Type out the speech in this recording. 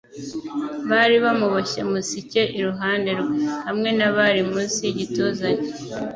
Bari bamuboshye musike iruhande rwe, hamwe na barri munsi yigituza cye!